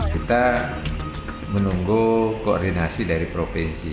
kita menunggu koordinasi dari provinsi